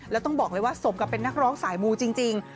แล้วต้องบอกเลยว่าสมกับเป็นนักร้องสายมูจริง